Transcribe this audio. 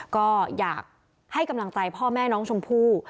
ก็อยากให้กำลังใจพ่อแม่น้องชมพู่